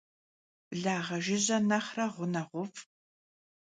Blağe jjıje nexhre ğuneğuf'.